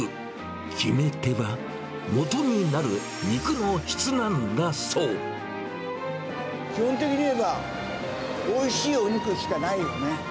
決め手は、基本的にいえば、おいしいお肉しかないよね。